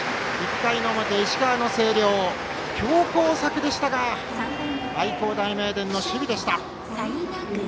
１回の表、石川の星稜強攻策でしたが愛工大名電の守備でした。